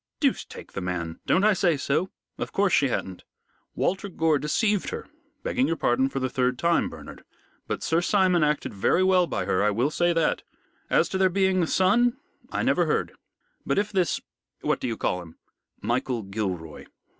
"Deuce take the man! Don't I say so? Of course she hadn't. Walter Gore deceived her begging your pardon for the third time, Bernard but Sir Simon acted very well by her. I will say that. As to there being a son, I never heard. But if this what do you call him?" "Michael Gilroy."